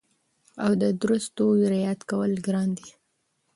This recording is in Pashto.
او د درستو رعایت کول ګران دي